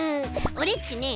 オレっちね